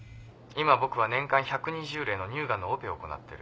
今僕は年間１２０例の乳ガンのオペを行ってる。